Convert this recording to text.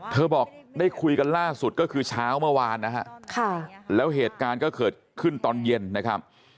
บอกได้คุยกันล่าสุดก็คือเช้าเมื่อวานนะฮะแล้วเหตุการณ์ก็เกิดขึ้นตอนเย็นนะครับ